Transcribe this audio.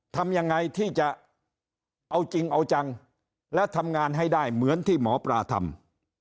ทำยังไงที่จะเอาจริงเอาจังและทำงานให้ได้เหมือนที่หมอปลาทำ